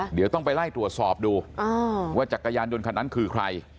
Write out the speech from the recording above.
เดี๋ยวต้องไปไล่ตรวจสอบดูว่าจักรยานยนต์คันนั้นคือใคร